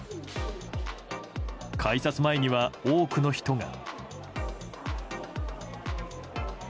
改札前には多くの人が。